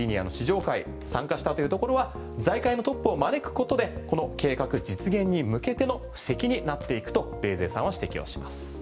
日米の財界人がリニアの試乗会参加したというところは財界のトップを招くことでこの計画実現に向けての布石になっていくと冷泉さんは指摘をします。